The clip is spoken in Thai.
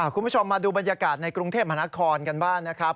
คุณผู้ชมมาดูบรรยากาศในกรุงเทพมหานครกันบ้างนะครับ